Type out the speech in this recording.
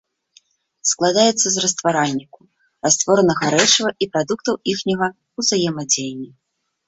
Складаецца з растваральніку, растворанага рэчыва і прадуктаў іхняга ўзаемадзеяння.